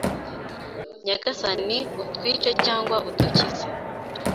Nyagasani utwice cyangwa udukize